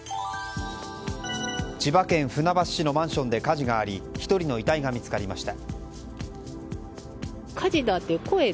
千葉県船橋市のマンションで火事があり１人の遺体が見つかりました。